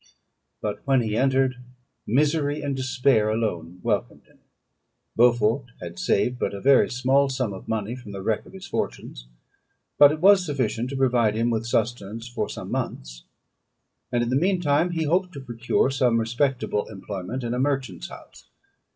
But when he entered, misery and despair alone welcomed him. Beaufort had saved but a very small sum of money from the wreck of his fortunes; but it was sufficient to provide him with sustenance for some months, and in the mean time he hoped to procure some respectable employment in a merchant's house.